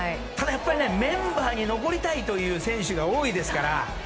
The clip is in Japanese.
ただ、やっぱりメンバーに残りたいという選手が多いですから。